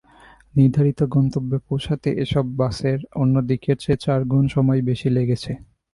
নির্ধারিত গন্তেব্যে পৌঁছাতে এসব বাসের অন্যদিনের চেয়ে চারগুণ সময় বেশি লেগেছে।